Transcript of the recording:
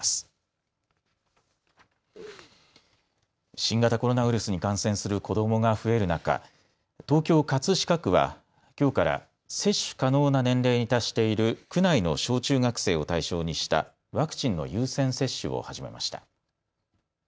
新型コロナウイルスに感染する子どもが増える中、東京葛飾区はきょうから接種可能な年齢に達している区内の小中学生を対象にしたワクチンの優先接種を始めました。